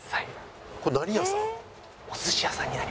これ何屋さん？